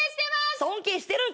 尊敬してるんか。